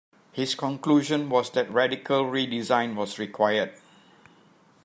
His conclusion was that radical re-design was required.